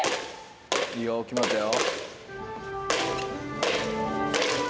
いいよ決まったよ。